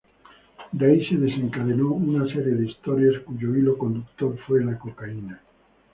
De ahí se desencadenó una serie de historias cuyo hilo conductor fue la cocaína.